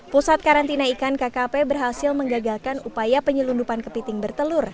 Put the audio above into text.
pusat karantina ikan kkp berhasil menggagalkan upaya penyelundupan kepiting bertelur